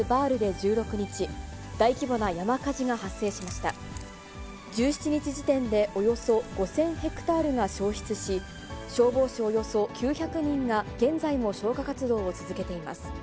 １７日時点でおよそ５０００ヘクタールが焼失し、消防士およそ９００人が現在も消火活動を続けています。